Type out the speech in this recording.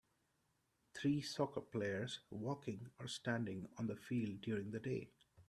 Three soccer players walking or standing on the field during the day.